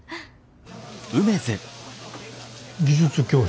技術教室？